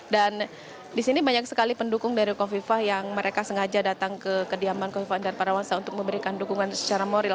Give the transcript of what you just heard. di sini banyak sekali pendukung dari kofifah yang mereka sengaja datang ke kediaman kofifa indar parawansa untuk memberikan dukungan secara moral